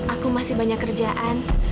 aku masih banyak kerjaan